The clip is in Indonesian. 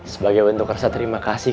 sebagai bentuk rasa terima kasih